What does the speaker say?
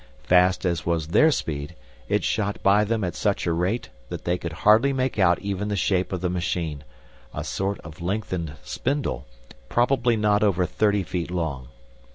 Fast as was their speed, it shot by them at such a rate that they could hardly make out even the shape of the machine, a sort of lengthened spindle, probably not over thirty feet long.